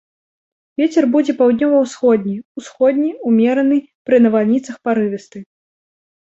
Вецер будзе паўднёва-ўсходні, усходні, умераны, пры навальніцах парывісты.